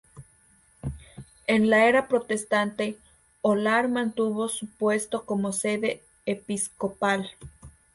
En la era protestante, Hólar mantuvo su puesto como sede episcopal.